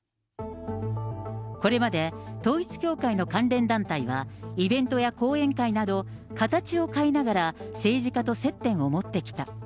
これまで統一教会の関連団体は、イベントや後援会など、形を変えながら政治家と接点を持ってきた。